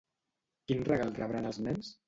Quin regal rebran els nens?